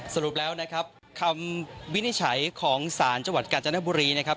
สรุปแล้วนะครับคำวินิจฉัยของศาลจังหวัดกาญจนบุรีนะครับ